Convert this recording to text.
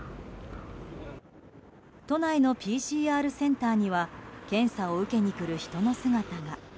都内のＰＣＲセンターには検査を受けに来る人の姿が。